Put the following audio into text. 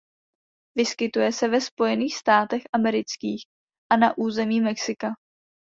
Vyskytuje se ve Spojených státech amerických a na území Mexika.